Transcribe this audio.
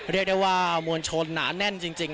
เรียกได้ว่ามวลชนหนาแน่นจริง